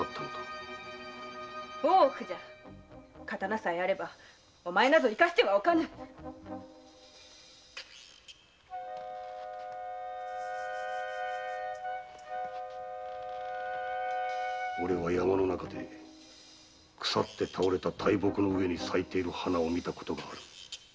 大奥じゃ刀さえあればお前など生かしてはおかぬおれは山の中で腐って倒れた大木の上に咲いている花を見たことがある。